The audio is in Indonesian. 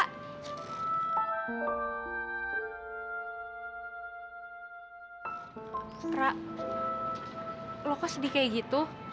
kak lo kok sedih kayak gitu